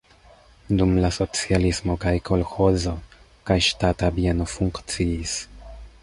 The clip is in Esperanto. Dum la socialismo kaj kolĥozo, kaj ŝtata bieno funkciis.